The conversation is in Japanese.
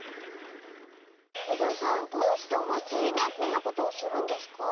えださんどうしておまつりでこんなことをするんですか？